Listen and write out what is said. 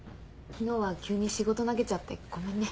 昨日は急に仕事投げちゃってごめんね。